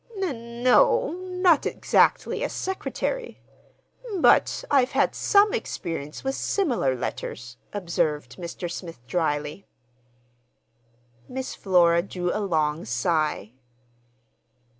"N no, not exactly a secretary. But—I've had some experience with similar letters," observed Mr. Smith dryly. Miss Flora drew a long sigh.